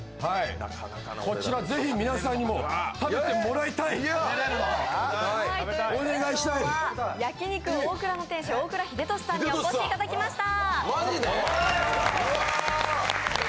こちらぜひ皆さんにも食べてもらいたい！ということで今日は焼肉大倉の店主大倉秀俊さんにお越しいただきました。